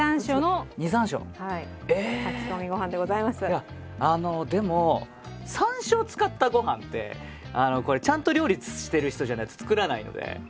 いやでも山椒を使ったご飯ってちゃんと料理してる人じゃないと作らないので。